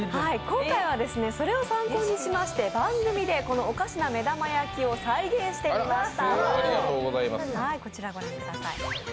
それを参考にしまして番組でおかしな目玉焼きを再現してみました。